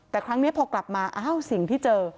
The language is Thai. แต่ครั้งนี้พอกลับมาอ้าวสิ่งที่เจอ